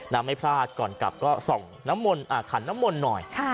น้ำไม่พลาดก่อนกลับก็ส่องน้ำมนต์อ่าขันน้ำมนต์หน่อยค่ะ